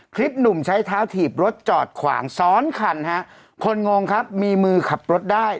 คลิปหนุ่มใช้เท้าถีบรถจอดขวางซ้อนคันฮะคนงงครับมีมือขับรถได้